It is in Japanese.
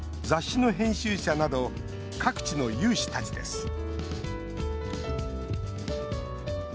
雑誌の編集者など各地の有志たちです